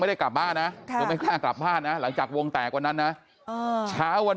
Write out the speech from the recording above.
ได้กลับบ้านนะเธอไม่กล้ากลับบ้านนะหลังจากวงแตกวันนั้นนะเช้าวัน